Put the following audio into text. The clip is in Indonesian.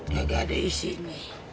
gak ada isi nih